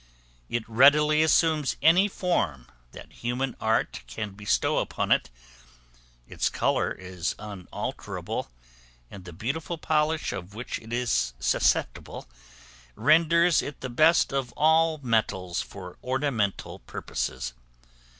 It readily assumes any form that human art can bestow upon it: its color is unalterable, and the beautiful polish of which it is susceptible, renders it the best of all metals for ornamental purposes.